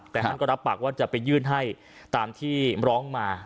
แต่ท่านก็รับปากว่าจะไปยื่นให้ตามที่ร้องมา